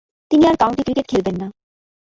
তিনি আর county cricket খেলবেন না।